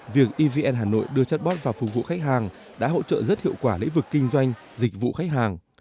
việc evn hà nội đưa chatbot vào phục vụ khách hàng đã hỗ trợ rất hiệu quả lĩnh vực kinh doanh dịch vụ khách hàng